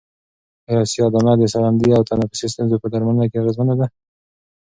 آیا سیاه دانه د سالنډۍ او تنفسي ستونزو په درملنه کې اغېزمنه ده؟